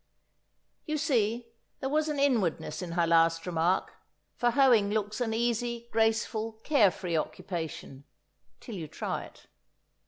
You see, there was an inwardness in her last remark; for hoeing looks an easy, graceful, carefree occupation—till you try it.